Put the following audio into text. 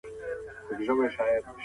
ډیپلوماسي د سیمي د امنیت لپاره کار کوي.